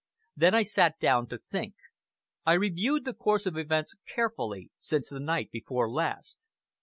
Then I sat down to think. I reviewed the course of events carefully since the night before last.